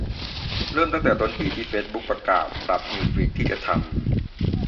เริ่มตั้งแต่ต้นปีที่เฟซบุ๊กประกาศปรับนิวส์ฟีดที่จะทำ